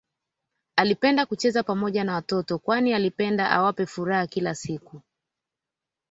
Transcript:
Alipenda kucheza Pamoja na watoto kwani alipenda awape furaha kila siku